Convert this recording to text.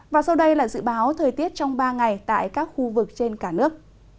và sau đây là dự báo thời tiết trong ba ngày tại các khu vực trên cả nước